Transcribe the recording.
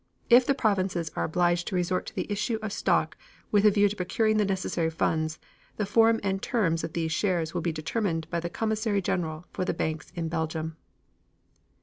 If the provinces are obliged to resort to the issue of stock with a view to procuring the necessary funds, the form and terms of these shares will be determined by the Commissary General for the banks in Belgium.